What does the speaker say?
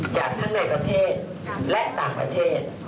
จากทั้งในประเทศและต่างประเทศ